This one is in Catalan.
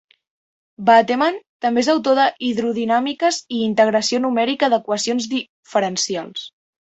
Bateman també és autor de Hidrodinàmiques i Integració numèrica d'equacions diferencials.